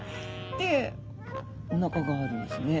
でおなかがあるんですね。